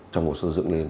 trong một số dựng lên